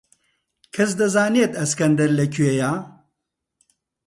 کەس دەزانێت ئەسکەندەر لەکوێیە؟